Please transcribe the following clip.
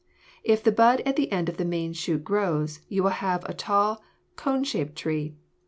If the bud at the end of the main shoot grows, you will have a tall, cone shaped tree.